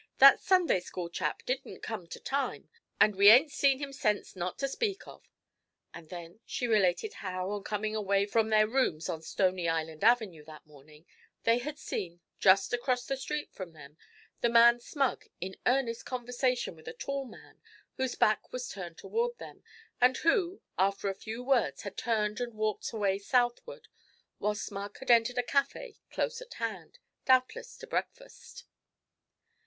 'That Sunday school chap didn't come to time; and we ain't seen him sence not to speak to.' And then she related how, on coming away from their rooms on Stony Island Avenue that morning, they had seen, just across the street from them, the man Smug in earnest conversation with a tall man whose back was turned toward them, and who after a few words had turned and walked away southward, while Smug had entered a café close at hand, doubtless to breakfast.